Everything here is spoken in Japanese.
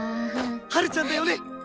ハルちゃんだよね。